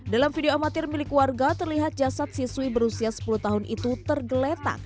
dalam video amatir milik warga terlihat jasad siswi berusia sepuluh tahun itu tergeletak